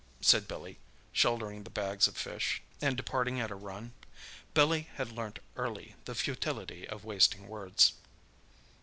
said Billy, shouldering the bags of fish, and departing at a run. Billy had learnt early the futility of wasting words.